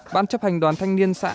ban chấp hành đoàn thanh niên xã an cơ